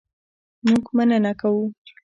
مونږ مننه کوو